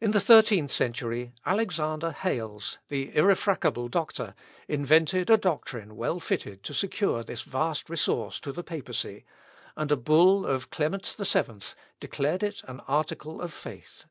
In the thirteenth century, Alexander Hales, the irrefragable doctor, invented a doctrine well fitted to secure this vast resource to the Papacy, and a bull of Clement VII declared it an article of faith.